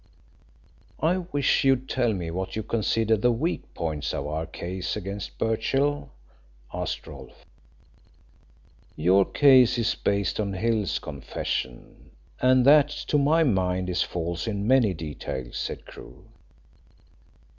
"I wish you'd tell me what you consider the weak points of our case against Birchill," asked Rolfe. "Your case is based on Hill's confession, and that to my mind is false in many details," said Crewe.